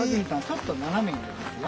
ちょっと斜めになりますよ。